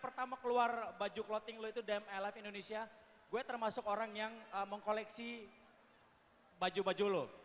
pertama keluar baju clothing lo itu dmlf indonesia gue termasuk orang yang mengkoleksi baju baju lo